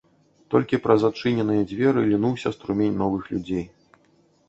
Толькі праз адчыненыя дзверы лінуўся струмень новых людзей.